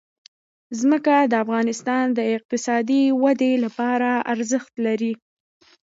ځمکه د افغانستان د اقتصادي ودې لپاره ارزښت لري.